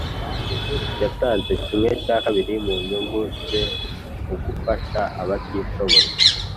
yatanze kimwe cyakabiri mu nyungu ze mugufasha abatishoboye